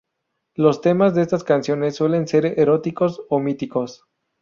Los temas de estas canciones suelen ser eróticos o míticos.